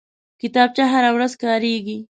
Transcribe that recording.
کتابچه هره ورځ کارېږي